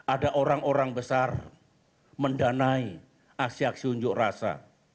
ada orang orang besar mendanai aksi aksi unjuk rasa